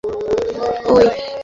বায়, ওয় চল, ওয়।